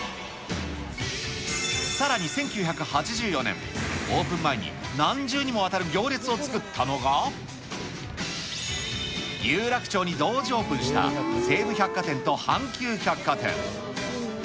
さらに、１９８４年、オープン前に何重にもわたる行列を作ったのが、有楽町に同時オープンした西武百貨店と阪急百貨店。